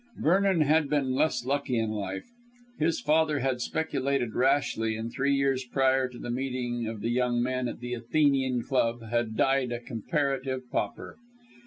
Vernon had been less lucky in life. His father had speculated rashly, and three years prior to the meeting of the young men at the Athenian Club had died a comparative pauper.